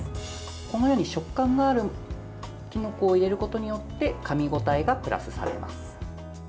このように食感があるきのこを入れることによってかみ応えがプラスされます。